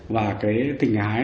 và cái tình ái